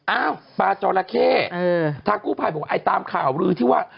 อ้าวปลาจอละเข้ทางกู้ภัยบอกว่าไอ้ตามข่าวลือที่ว่า